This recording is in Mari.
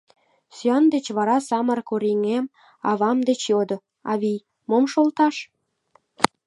Сӱан деч вара самырык оръеҥем авам деч йодо: «Авий, мом шолташ?»